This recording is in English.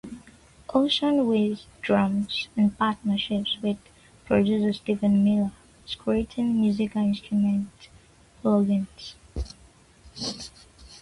Ocean Way Drums, in partnership with producer Steven Miller, is creating musical instrument plugins.